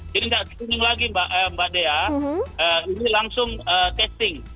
jadi tidak screening lagi mbak dea ini langsung testing